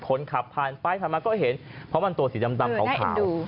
คนขับผ่านไปผ่านมาก็เห็นเพราะมันตัวสีดำขาว